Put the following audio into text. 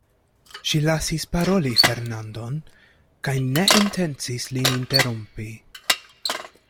Ŝi lasis paroli Fernandon, kaj ne intencis lin interrompi.